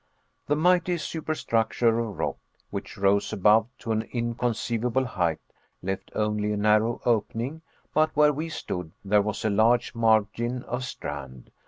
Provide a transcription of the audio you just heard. The mighty superstructure of rock which rose above to an inconceivable height left only a narrow opening but where we stood, there was a large margin of strand.